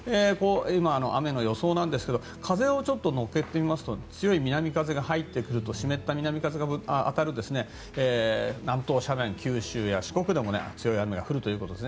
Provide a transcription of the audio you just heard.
今、雨の予想なんですが風を乗せて見ますと強い南風が入ってくると湿った南風が当たる南東斜面九州や四国でも強い雨が降るということです。